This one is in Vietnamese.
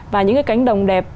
và những cái cánh đồng đẹp